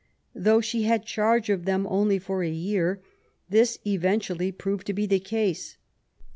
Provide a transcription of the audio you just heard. Though she had charge of them only for a year, this eventually proved to be the case.